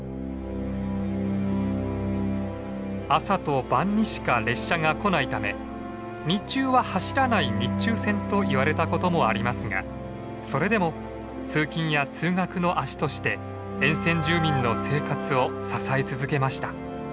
朝と晩にしか列車が来ないため「日中は走らない日中線」といわれたこともありますがそれでも通勤や通学の足として沿線住民の生活を支え続けました。